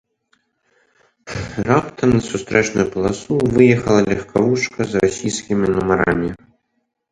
Раптам на сустрэчную паласу выехала легкавушка з расійскімі нумарамі.